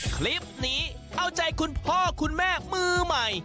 คลิปนี้เอาใจคุณพ่อคุณแม่มือใหม่